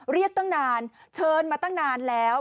ตั้งนานเชิญมาตั้งนานแล้ว